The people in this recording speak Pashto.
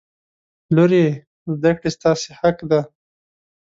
لورې! زده کړې ستاسې حق دی.